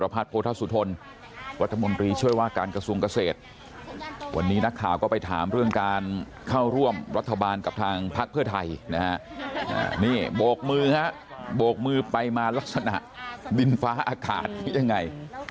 โบกมือครับโบกมือไปมาลักษณะดินฟ้าอากาศยังไง